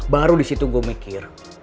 baru disitu gue mikir